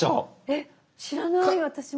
えっ知らない私も。